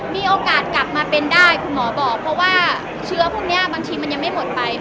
มีโอกาสกลับมาเป็นได้คุณหมอบอกเพราะว่าเชื้อพวกนี้บางทีมันยังไม่หมดไป